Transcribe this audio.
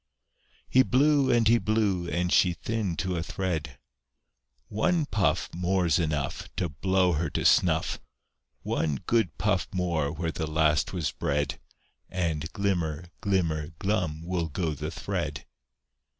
He blew and he blew, and she thinned to a thread. "One puff More's enough To blow her to snuff! One good puff more where the last was bred, And glimmer, glimmer, glum will go the thread!"